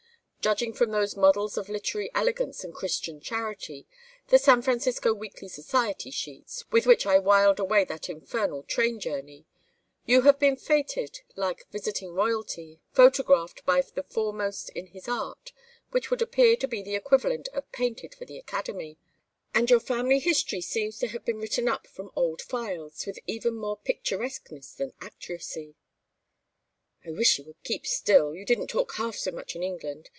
Judging from those models of literary elegance and Christian charity, the San Francisco weekly society sheets with which I whiled away that infernal train journey you have been fêted like visiting royalty, photographed by the foremost in his art which would appear to be the equivalent of painted for the Academy and your family history seems to have been written up from old files, with even more picturesqueness than accuracy " "I wish you would keep still. You didn't talk half so much in England.